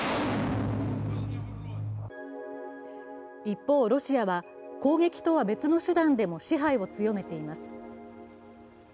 一方、ロシアは攻撃とは別の手段でも支配を強めています。